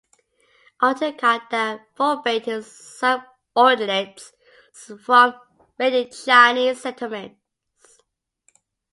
Altan Khan then forbade his subordinates from raiding Chinese settlements.